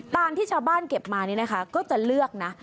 ที่ชาวบ้านเก็บมานี่นะคะก็จะเลือกนะ